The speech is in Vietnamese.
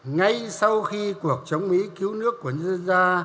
ngay sau khi cuộc chống mỹ cứu nước của dân ra